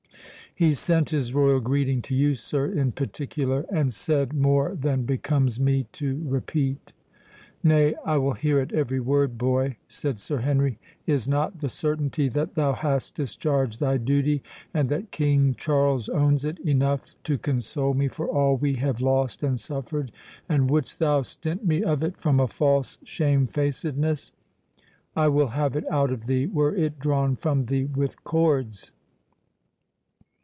He sent his royal greeting to you, sir, in particular, and said more than becomes me to repeat." "Nay, I will hear it every word, boy," said Sir Henry; "is not the certainty that thou hast discharged thy duty, and that King Charles owns it, enough to console me for all we have lost and suffered, and wouldst thou stint me of it from a false shamefacedness?—I will have it out of thee, were it drawn from thee with cords!"